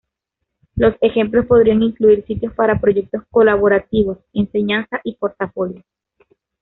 Los ejemplos podrían incluir sitios para proyectos colaborativos, enseñanza y portafolios.